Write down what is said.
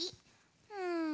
うん。